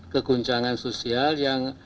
keguncangan sosial yang